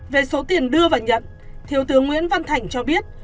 về số tiền đưa và nhận thiếu tướng nguyễn văn thành cho biết